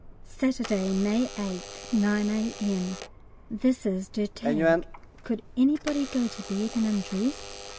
Saturday, May 8th, 9 A.M. This is Der Tag. Could anybody go to bed and undress?